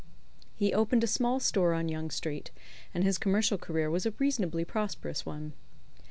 He opened a small store on Yonge Street, and his commercial career was a reasonably prosperous one.